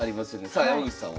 さあ山口さんは？